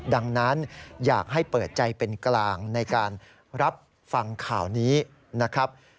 ดังนั้นอยากให้เปิดใจเป็นกลางในการรับฟังข่าวนี้นะครับ